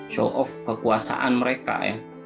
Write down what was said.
show off kekuasaan mereka ya